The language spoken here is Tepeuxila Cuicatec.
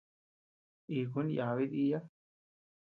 Ikun yábi diiya.